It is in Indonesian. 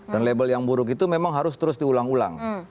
dan label yang buruk itu memang harus terus diulang ulang